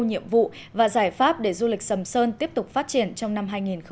nhiệm vụ và giải pháp để du lịch sầm sơn tiếp tục phát triển trong năm hai nghìn hai mươi